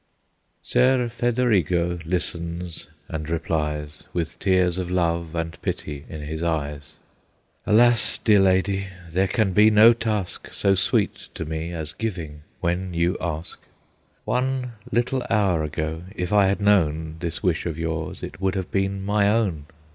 Ser Federigo listens, and replies, With tears of love and pity in his eyes: "Alas, dear lady! there can be no task So sweet to me, as giving when you ask. One little hour ago, if I had known This wish of yours, it would have been my own.